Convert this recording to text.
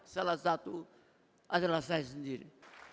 salah satu adalah saya sendiri